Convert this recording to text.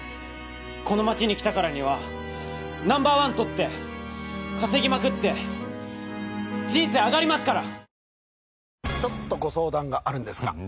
この街に来たからにはナンバーワン取って稼ぎまくって人生上がりますから。